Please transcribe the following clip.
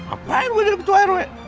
apain gue jadi ketua airway